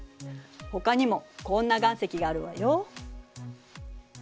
ほかにもこんな岩石があるわよ。